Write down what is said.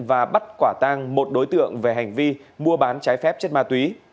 và bắt quả tang một đối tượng về hành vi mua bán trái phép chất ma túy